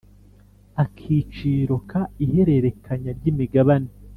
Akiciro ka Ihererekanya ry imigabane